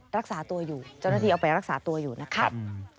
รักษาตัวอยู่เจ้าหน้าที่เอาไปรักษาตัวอยู่นะครับ